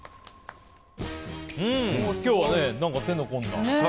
今日は手の込んだ。